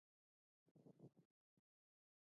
د امام صاحب ځنګلونه مشهور وو